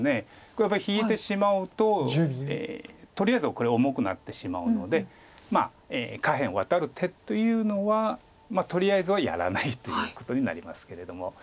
これはやっぱり引いてしまうととりあえずこれ重くなってしまうので下辺ワタる手というのはとりあえずはやらないということになりますけれども。